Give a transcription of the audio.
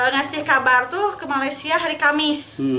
ngasih kabar tuh ke malaysia hari kamis